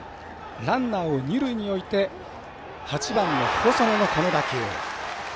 ランナーを二塁に置いて８番の細野の打球。